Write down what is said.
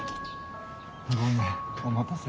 ごめんお待たせ。